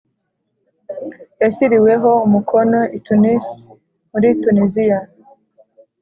Yashyiriweho umukono i tunis muri tuniziya